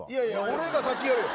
俺が先やるよ。